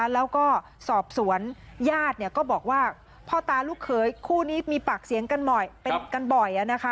แล้วก็สอบสวนญาติก็บอกว่าพ่อตาลูกเขยคู่นี้มีปากเสียงกันบ่อยเป็นกันบ่อย